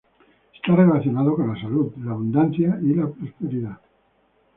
Está relacionado con la salud, la abundancia y la prosperidad.